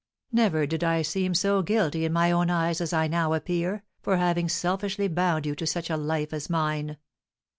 Never did I seem so guilty in my own eyes as I now appear, for having selfishly bound you to such a life as mine!"